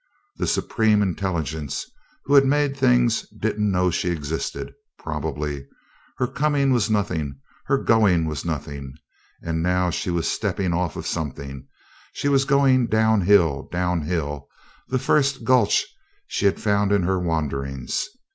The Supreme Intelligence who had made things didn't know she existed, probably. Her coming was nothing; her going was nothing. And now she was stepping off of something she was going down hill down hill the first gulch she had found in her wanderings.